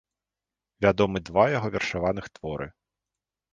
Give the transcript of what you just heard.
Вядомы два яго вершаваных творы.